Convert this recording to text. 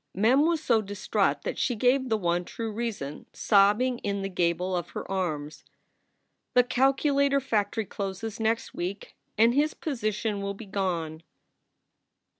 Mem was so distraught that she gave the one true reason, sobbing in the gable of her arms. "The Kalkulator factory closes next week and his posi tion will be gone."